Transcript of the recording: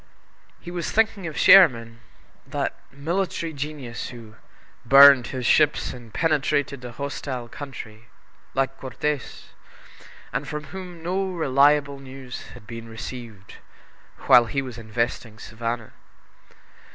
He was thinking of Sherman that military genius who "burned his ships and penetrated a hostile country," like Cortez, and from whom no reliable news had been received while he was investing Savannah.